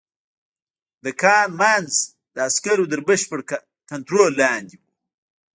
د کان منځ د عسکرو تر بشپړ کنترول لاندې و